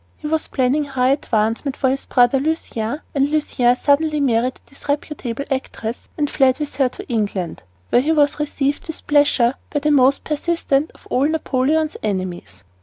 He was planning high advancement for his brother Lucien, and Lucien suddenly married a disreputable actress and fled with her to England, where he was received with pleasure by the most persistent of all Napoleon's enemies.